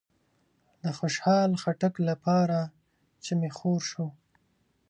د خوشحال خټک لپاره چې می خور شو